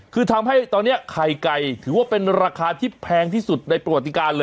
คือทำให้ตอนนี้ไข่ไก่ถือว่าเป็นราคาที่แพงที่สุดในประวัติการเลย